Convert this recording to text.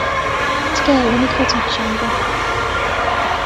تکایە وێنەی خۆتم پیشان بدە.